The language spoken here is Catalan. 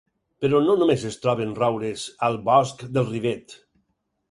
Però no només es troben roures al bosc del Rivet.